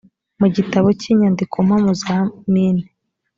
mu gitabo cy’inyandikompamo za mine